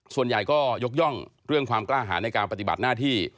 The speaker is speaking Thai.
ส่วนใหญ่ก็ยกย่องเรื่องความกล้าหาในการปฏิบัติหน้าที่